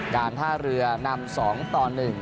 การท่าเรือนำสองต่อหนึ่ง